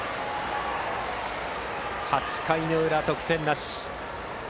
８回の裏、得点なし。